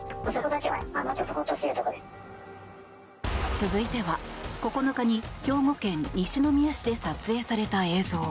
続いては９日に兵庫県西宮市で撮影された映像。